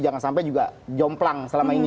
jangan sampai juga jomplang selama ini